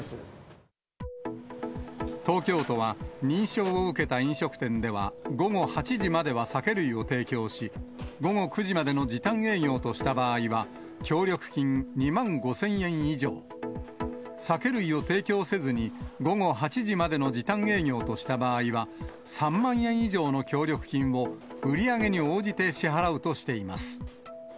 東京都は、認証を受けた飲食店では、午後８時までは酒類を提供し、午後９時までの時短営業とした場合は、協力金２万５０００円以上、酒類を提供せずに午後８時までの時短営業とした場合は、３万円以上の協力金を売り上げに応じて支払うとしています。